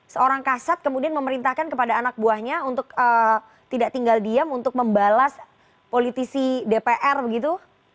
seorang kasat kemudian memerintahkan kepada anak buahnya untuk tidak tinggal diam untuk membalas politisi dpr begitu